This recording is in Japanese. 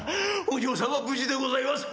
お嬢さんは無事でございます」。